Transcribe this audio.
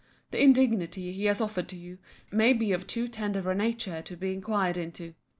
The indignity he has offered to you, may be of too tender a nature to be inquired into.